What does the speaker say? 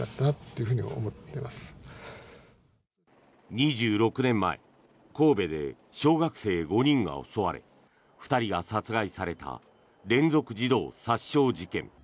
２６年前神戸で小学生５人が襲われ２人が殺害された連続児童殺傷事件。